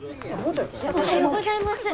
おはようございます。